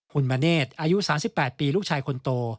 คุณมณเนศอายุ๓๘ปีลูกชายคนโต